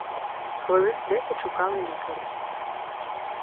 Хвилин з десять шукали лікаря.